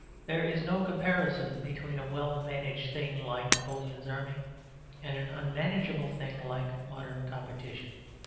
There is no comparison between a well managed thing like Napoleon's army and an unmanageable thing like modern competition.